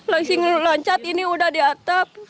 langsung nge lancat ini udah di atap